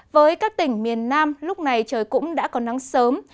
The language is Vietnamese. với các tỉnh miền nam lúc này trời cũng đã có nắng sớm